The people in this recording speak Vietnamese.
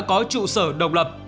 có trụ sở độc lập